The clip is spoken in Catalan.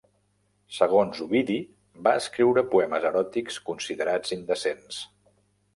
Segons Ovidi, va escriure poemes eròtics considerats indecents.